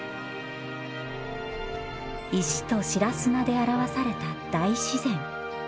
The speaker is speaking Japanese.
石と白砂で表された大自然。